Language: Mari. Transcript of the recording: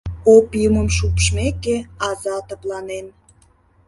Опиумым шупшмеке, аза тыпланен.